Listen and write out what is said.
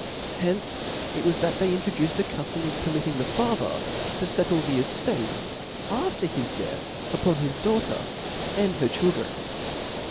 Hence it was that they introduced a cuilom of permitting the father to fettle the eftate after his death upon his daughter, and her chil dren.